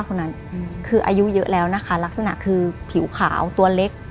คนนั้นคืออายุเยอะแล้วนะคะลักษณะคือผิวขาวตัวเล็ก